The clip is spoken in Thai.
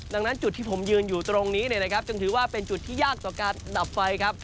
ดังนั้นจุดที่ผมยืนอยู่ตรงนี้เนี่ยนะครับจึงถือว่าเป็นจุดที่ยากต่อการดับไฟครับ